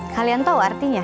kalian tahu artinya